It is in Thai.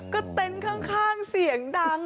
ก็เต็นต์ข้างเสียงดัง